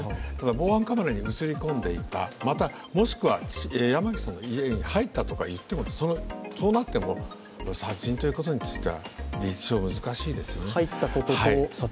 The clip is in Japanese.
防犯カメラに映り込んでいた、またもしくは山岸さんの家に入ったとかいっても、そうなっても殺人ということについては立証は難しいですよね。